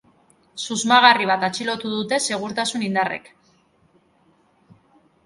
Susmagarri bat atxilotu dute segurtasun indarrek.